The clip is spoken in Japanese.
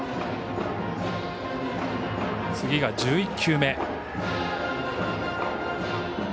次が１１球目。